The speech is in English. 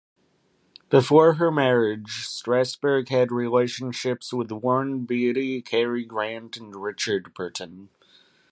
Before her marriage, Strasberg had relationships with Warren Beatty, Cary Grant, and Richard Burton.